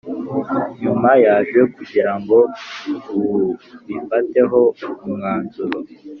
nyuma yaje kugira ngo bubifateho umwanzuro